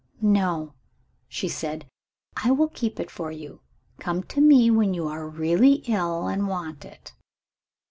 "No," she said; "I will keep it for you. Come to me when you are really ill, and want it."